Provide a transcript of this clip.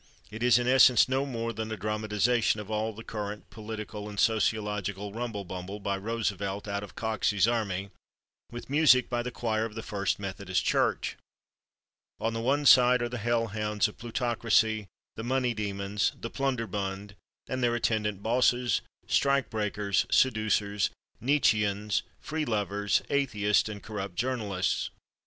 It is, in essence, no more than a dramatization of all the current political and sociological rumble bumble, by Roosevelt out of Coxey's Army, with music by the choir of the First Methodist Church. On the one side are the Hell Hounds of Plutocracy, the Money Demons, the Plunderbund, and their attendant Bosses, Strike Breakers, Seducers, Nietzscheans, Free Lovers, Atheists and Corrupt Journalists.